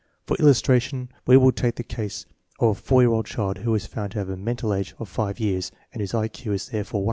For illustration, we will take the case of a four year old child who is found to have a mental age of five years, and whose I Q is therefore 125.